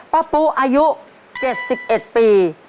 ป้าปูอายุเจ็ดสิบเอ็ดปี